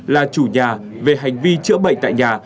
là chủ nhà về hành vi chữa bệnh tại nhà